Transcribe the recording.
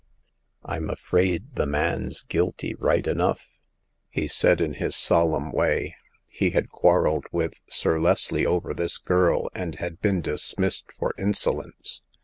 " Fm afraid the man's guilty, right enough," he said, in his solemn way. He had quarreled with Sir Leslie over this girl, and had been 210 Hagar of the Pawn Shop. dismissed for insolence.